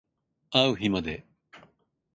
あう日まで